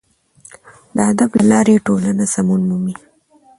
د ادب له لارې ټولنه سمون مومي.